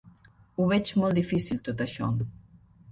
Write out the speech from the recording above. Ho veig molt difícil, tot això.